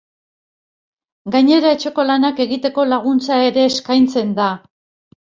Gainera, etxeko lanak egiteko laguntza ere eskaintzen da.